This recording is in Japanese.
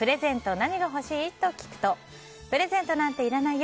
何が欲しい？と聞くとプレゼントなんていらないよ